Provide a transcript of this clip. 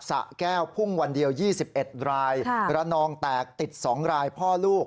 สะแก้วพุ่งวันเดียว๒๑รายระนองแตกติด๒รายพ่อลูก